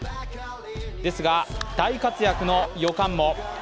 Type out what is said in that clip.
ですが大活躍の予感も。